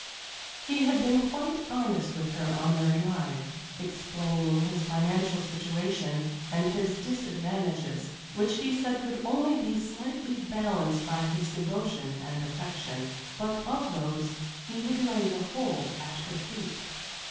He had been quite honest with her on their drive, explaining his financial situation and his disadvantages, which he said could only be slightly balanced by his devotion and affection but of those he would lay the whole at her feet.